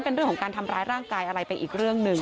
เป็นเรื่องของการทำร้ายร่างกายอะไรไปอีกเรื่องหนึ่ง